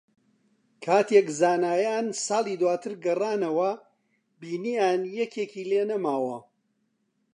کاتێک زانایان ساڵی داواتر گەڕانەوە، بینییان یەکێکی لێ نەماوە